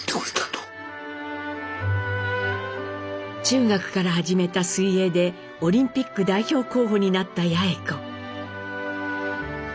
中学から始めた水泳でオリンピック代表候補になった八詠子。